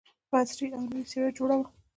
په عصري او نوې څېره جوړه وه.